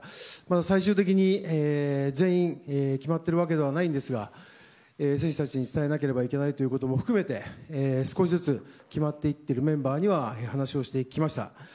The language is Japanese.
最終的に全員決まっているわけではないんですが選手たちに伝えなければいけないということも含めて少しずつ決まっていっているメンバーには話をしていきました。